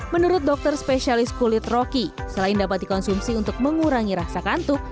menurut dokter spesialis kulit rocky selain dapat dikonsumsi untuk mengurangi rasa kantuk